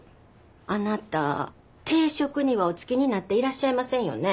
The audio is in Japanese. あなた定職にはお就きになっていらっしゃいませんよね。